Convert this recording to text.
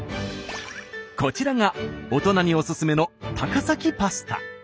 こちらが大人におすすめの高崎パスタ。